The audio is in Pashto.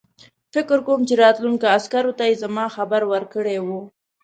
فکر کوم چې راتلونکو عسکرو ته یې زما خبر ورکړی وو.